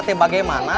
tunggu ke situ dulu ya